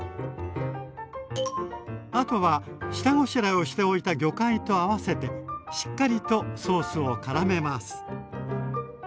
あとは下ごしらえをしておいた魚介と合わせてしっかりとソースをからめます。